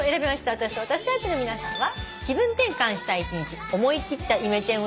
私と私タイプの皆さんは。